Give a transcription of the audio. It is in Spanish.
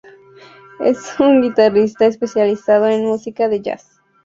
Es un guitarrista especializado en música de jazz.